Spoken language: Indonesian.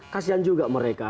kasian juga mereka